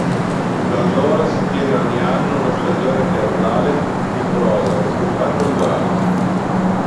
Da allora si tiene ogni anno una Stagione teatrale di prosa e spettacoli vari.